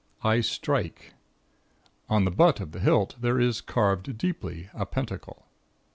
I STRIKE. On the butt of the hilt there is carved deeply a Pentacle.